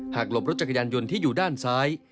หลบรถจักรยานยนต์ที่อยู่ด้านซ้าย